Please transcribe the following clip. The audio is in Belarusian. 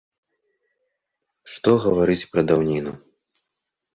Што гаварыць пра даўніну.